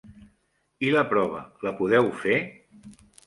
I la prova, la podeu fer?